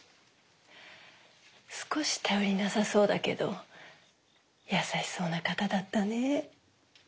少し頼りなさそうだけど優しそうな方だったね。